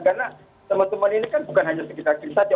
karena teman teman ini kan bukan hanya sekitar kris saja